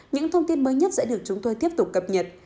những thông tin mới nhất sẽ được chúng tôi tiếp tục cập nhật